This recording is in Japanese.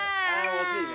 おしいね。